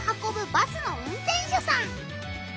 バスの運転手さん。